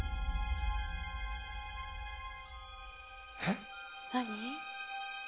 えっ？何？